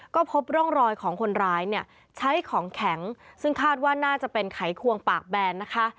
ก็พบร่องรอยของคนร้ายเนี่ยใช้ของแข็งซึ่งคาดว่าน่าจะเป็นไขควงปากแบนนะคะ